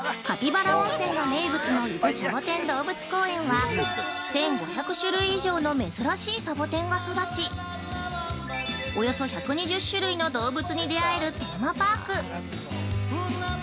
カピバラ温泉が名物の伊豆シャボテン動物公園は、１５００種類以上の珍しいサボテンが育ち、およそ１２０種類の動物に出会えるテーマパーク。